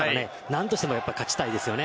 何としても勝ちたいです。